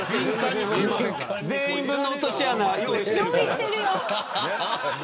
全員分の落とし穴を用意しているから。